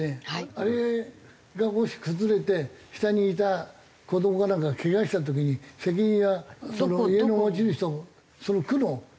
あれがもし崩れて下にいた子どもかなんかがけがした時に責任はその家の持ち主とその区の責任でしょ？